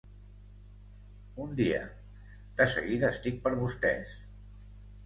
Un dia, de seguida estic per vostès.